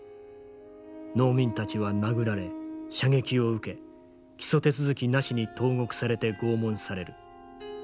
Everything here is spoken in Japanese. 農民たちは殴られ射撃を受け起訴手続きなしに投獄されて拷問される。